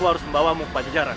aku harus membawamu ke pajajaran